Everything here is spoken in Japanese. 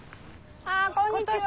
あこんにちは。